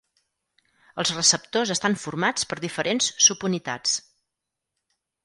Els receptors estan formats per diferents subunitats.